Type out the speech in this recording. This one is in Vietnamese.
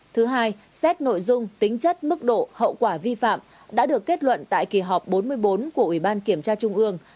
thứ hai xét nội dung tính chất mức độ hậu quả vi phạm đã được kết luận tại kỳ họp bốn mươi bốn của ubkt trung ương